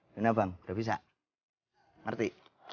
ya ya bang udah bisa ngerti